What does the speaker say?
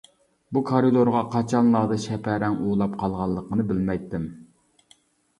بۇ كارىدورغا قاچانلاردا شەپەرەڭ ئۇۋىلاپ قالغانلىقىنى بىلمەيتتىم.